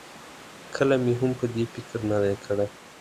کله مې هم په دې فکر نه دی کړی.